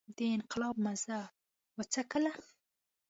د انقلاب مزه وڅکله.